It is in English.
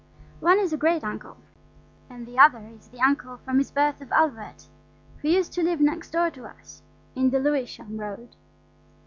One is a great uncle, and the other is the uncle from his birth of Albert, who used to live next door to us in the Lewisham Road.